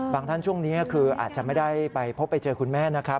ท่านช่วงนี้คืออาจจะไม่ได้ไปพบไปเจอคุณแม่นะครับ